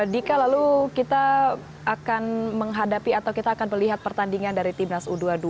dika lalu kita akan menghadapi atau kita akan melihat pertandingan dari timnas u dua puluh dua